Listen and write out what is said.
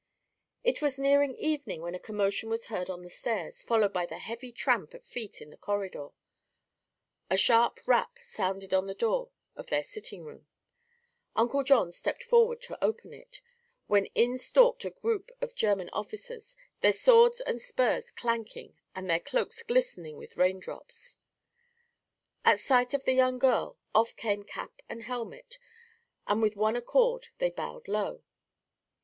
It was nearing evening when a commotion was heard on the stairs, followed by the heavy tramp of feet in the corridor. A sharp rap sounded on the door of their sitting room. Uncle John stepped forward to open it, when in stalked a group of German officers, their swords and spurs clanking and their cloaks glistening with rain drops. At sight of the young girl off came cap and helmet and with one accord they bowed low.